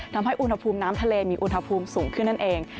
ทำให้อุณหภูมิน้ำทะเลมีอุณหภูมิสูงขึ้นนั่นเอง